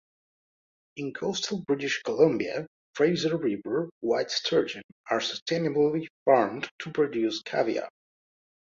In coastal British Columbia, Fraser River white sturgeon are sustainably farmed to produce caviar.